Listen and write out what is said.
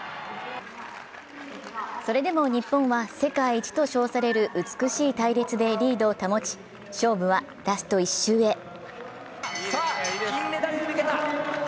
それでも日本は世界一と称される美しい隊列でリードを保ち、勝負はラスト１周へ。